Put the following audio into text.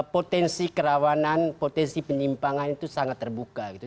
potensi kerawanan potensi penyimpangan itu sangat terbuka gitu